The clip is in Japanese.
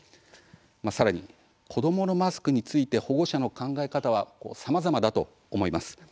さらに、子どものマスクについて保護者の考え方はさまざまだと思います。